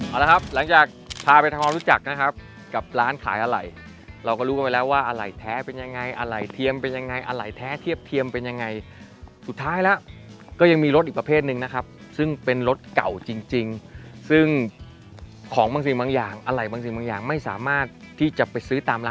เอาละครับหลังจากพาไปทำความรู้จักนะครับกับร้านขายอะไรเราก็รู้กันไปแล้วว่าอะไรแท้เป็นยังไงอะไรเทียมเป็นยังไงอะไรแท้เทียบเทียมเป็นยังไงสุดท้ายแล้วก็ยังมีรถอีกประเภทหนึ่งนะครับซึ่งเป็นรถเก่าจริงซึ่งของบางสิ่งบางอย่างอะไรบางสิ่งบางอย่างไม่สามารถที่จะไปซื้อตามร้าน